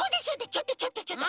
ちょっとちょっとちょっと！